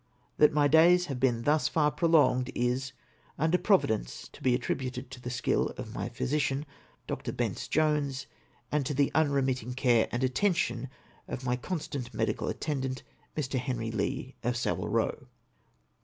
That my days have been thus far prolonged, is, under Provi dence, to be attributed to the skill of my physician, Dr. Bence Jones, and to the unremitting care and atten tion of my constant medical attendant, lii\ Henry Lee, of Savile Eow.